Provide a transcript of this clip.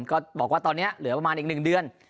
ก็บอกว่าตอนนี้เหลือประมาณอีก๑เดือน